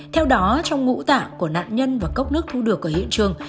theo đó trong ngũ tạ của nạn nhân và cốc nước thu được ở hiện trường